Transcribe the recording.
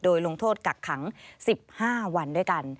โดยลงโทษกักขัง๑๕วันด้วยกัน